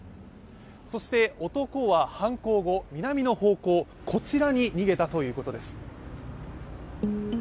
そして男は犯行後、南の方向、こちらに逃げたということです。